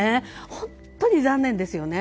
本当に残念ですよね。